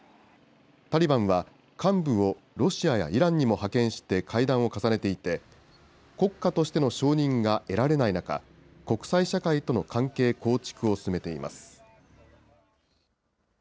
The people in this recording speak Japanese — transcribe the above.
タリバンは、幹部をロシアやイランにも派遣して会談を重ねていて、国家としての承認が得られない中、国際社会との関係構築を進めています。